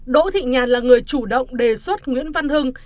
đỗ thị nhàn là người chủ động đề xuất nguyễn văn hưng